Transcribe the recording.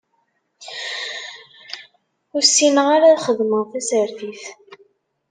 Ur ssineɣ ara ad xedmeɣ tasertit.